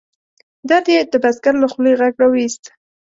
درد یې د بزګر له خولې غږ را ویوست.